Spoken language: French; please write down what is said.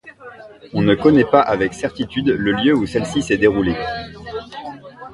On ne connaît pas avec certitude le lieu où celle-ci s'est déroulée.